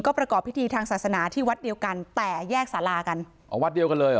ประกอบพิธีทางศาสนาที่วัดเดียวกันแต่แยกสารากันอ๋อวัดเดียวกันเลยเหรอ